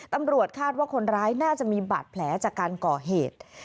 ตำรวจคาดว่าคนร้ายน่าจะมีบาดแผลจากการก่อเหตุ